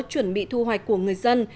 chuẩn bị thu hoạch của người dân